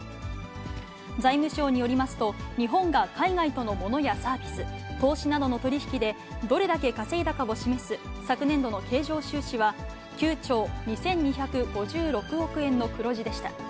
財務省によりますと、日本が海外とのモノやサービス、投資などの取り引きで、どれだけ稼いだかを示す昨年度の経常収支は、９兆２２５６億円の黒字でした。